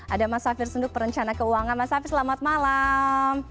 ada mas safir senduk perencana keuangan mas safir selamat malam